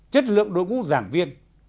chất lượng đội ngũ giảng viên